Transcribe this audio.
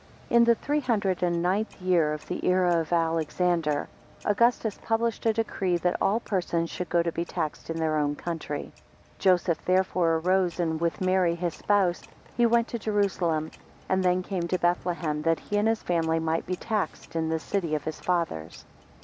4 In the three hundred and ninth year of the era of Alexander, Augustus published a decree that all persons should go to be taxed in their own country. 5 Joseph therefore arose, and with Mary his spouse he went to Jerusalem, and then came to Bethlehem, that he and his family might be taxed in the city of his fathers.